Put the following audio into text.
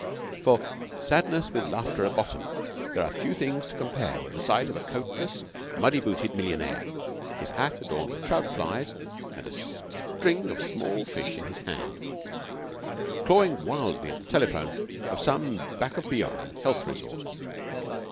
For sadness with laughter at bottom there are few things to compare with the sight of a coat less, muddy booted, millionaire, his hat adorned with trout flies, and a string of small fish in his hand, clawing wildly at the telephone of some back of beyond 'health resort.'